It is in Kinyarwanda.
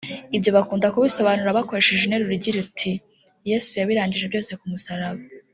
ibyo bakunda kubisobanura bakoresheje interuru igira iti “Yesu yarabirangije byose ku musaraba”